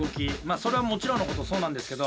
それはもちろんのことそうなんですけど